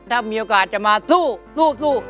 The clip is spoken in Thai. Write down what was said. ถ้ามีโอกาสจะมาสู้สู้